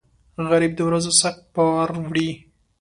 غریب د ورځو سخت بار وړي